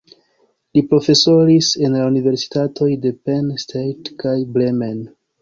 Li profesoris en la universitatoj de Penn State kaj Bremen.